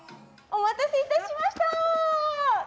お待たせいたしました！